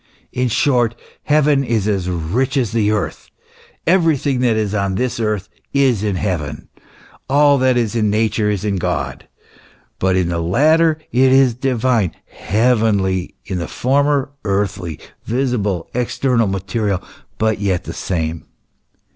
* In short, heaven is as rich as the earth. Everything that is on this earth, is in heaven, f all that is in Nature is in God. But in the latter it is divine, heavenly ; in the former, earthly, visible, external, material, but yet the same."